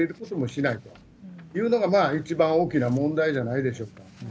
そういうのが一番大きな問題じゃないでしょうか。